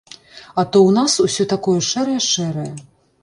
А то ў нас усё такое шэрае-шэрае.